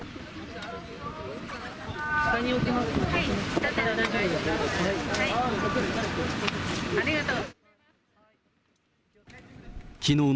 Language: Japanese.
ありがとう。